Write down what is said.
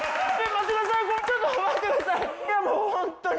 いやいやちょっと待ってください。